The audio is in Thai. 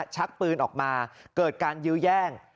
ชักปืนออกมาเกิดการยื้อแย่ง